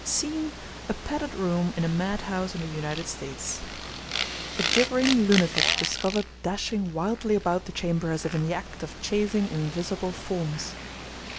Scene, a padded room in a mad house in the United States. A gibbering lunatic discovered dashing wildly about the chamber as if in the act of chasing invisible forms.